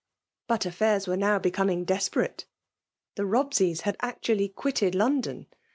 But affairs were now becoming desperate. The Sobseys had actually quitted London